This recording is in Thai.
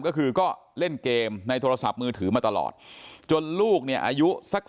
ก็คือก็เล่นเกมในโทรศัพท์มือถือมาตลอดจนลูกเนี่ยอายุสัก